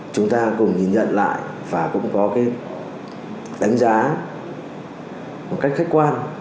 chúng ta cùng nhìn nhận lại và cũng có cái đánh giá một cách khách quan